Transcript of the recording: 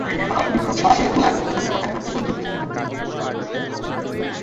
বিক্রমসিংহ সেই দূতমুখে বলিয়া পাঠাইলেন, আমি কেবল দিল্লীশ্বর শাজাহান এবং জাগদীশ্বর ভবানীপতিকে জানি।